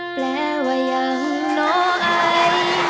แปลว่ายังเนาะไอ